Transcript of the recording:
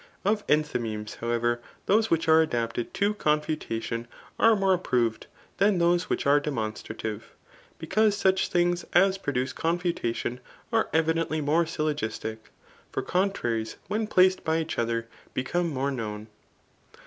Of enthymemes, however, those which are adapted to confutadon are more ap proved, than those which are demonstrative; becaose such things as produce confutation are evidently more syllogistic ; for contraries when placed by each other become more known.